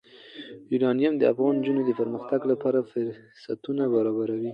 یورانیم د افغان نجونو د پرمختګ لپاره فرصتونه برابروي.